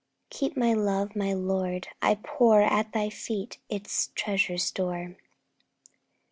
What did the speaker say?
'Keep my love; my Lord, I pour _At Thy feet its treasure store.'